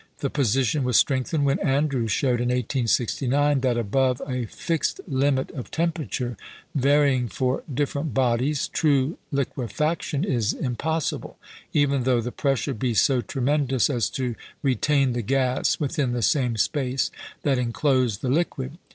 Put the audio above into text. The position was strengthened when Andrews showed, in 1869, that above a fixed limit of temperature, varying for different bodies, true liquefaction is impossible, even though the pressure be so tremendous as to retain the gas within the same space that enclosed the liquid.